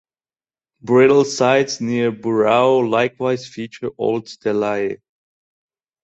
Burial sites near Burao likewise feature old stelae.